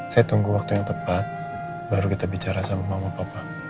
saya tunggu waktu yang tepat baru kita bicara sama mama papa